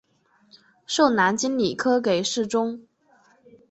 授南京礼科给事中。